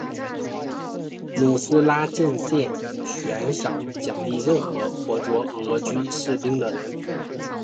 努斯拉阵线悬赏奖励任何活捉俄军士兵的人。